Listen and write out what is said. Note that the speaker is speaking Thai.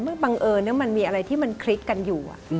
บังเอิญมันมีอะไรที่มันคลิกกันอยู่